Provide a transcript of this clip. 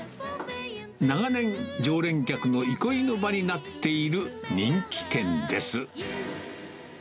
長年、常連客の憩いの場になっている人気店です。